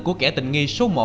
của kẻ tình nghi số một